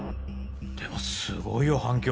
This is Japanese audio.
でもすごいよ反響！